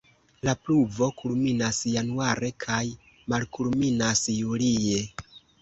La pluvo kulminas januare kaj malkulminas julie.